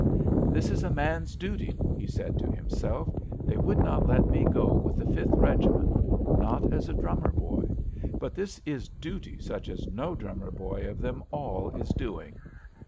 "This is a man's duty," he said to himself: "they would not let me go with the fifth regiment, not as a drummer boy; but this is duty such as no drummer boy of them all is doing.